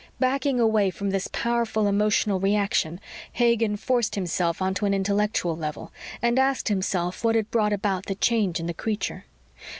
Backing away from this powerful emotional reaction, Hagen forced himself onto an intellectual level, and asked himself what had brought about the change in the creature.